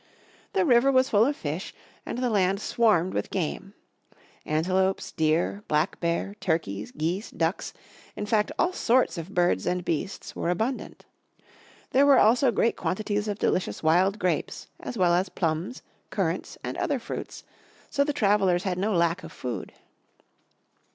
The river was full of fish, and the land swarmed with game. Antelopes, deer, black bear, turkeys, geese, ducks, in fact all sorts of birds and beasts were abundant. There were also great quantities of delicious wild grapes as well as plums, currants and other fruits; so the travelers had no lack of food.